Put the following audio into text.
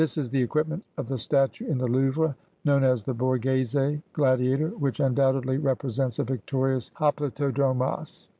This is the equipment of the statue in the Louvre known as the Borghese Gladiator, which undoubtedly represents a victorious hoplitodromos.